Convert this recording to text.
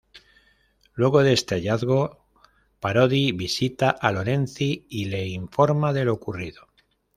Luego de este hallazgo, Parodi visita a Lorenzi y le informa de lo ocurrido.